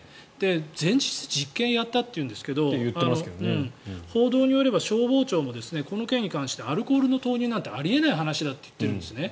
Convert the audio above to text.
前日実験をやったというんですけど報道によれば消防庁もこの件に関してアルコールの投入なんてあり得ない話だと言っているんですね。